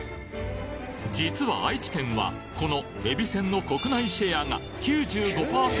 実は愛知県はこのえびせんの国内シェアが９５％